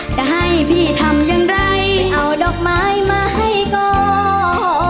จะให้พี่ทำอย่างไรเอาดอกไม้มาให้ก็